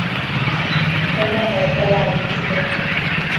Mae'n nefoedd go iawn yntydi.